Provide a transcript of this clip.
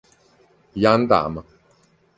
Jan Dam